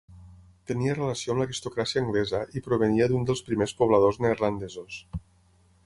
Tenia relació amb l’aristocràcia anglesa i provenia d'un dels primers pobladors neerlandesos.